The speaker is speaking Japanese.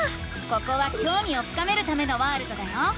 ここはきょうみを深めるためのワールドだよ。